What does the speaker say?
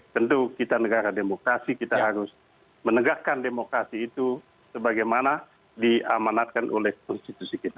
tentu kita negara demokrasi kita harus menegakkan demokrasi itu sebagaimana diamanatkan oleh konstitusi kita